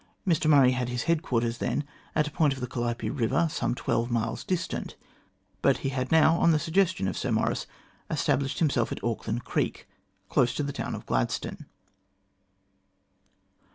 Mr Murray had his headquarters then at a point on the Calliope Eiver some twelve miles distant, but he had now, on the suggestion of Sir Maurice, established himself at Auckland Creek, close to the town of Gladstone.